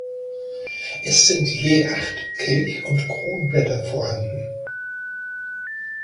Es sind je acht Kelch- und Kronblätter vorhanden.